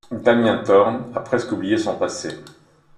Damien Thorn a presque oublié son passé.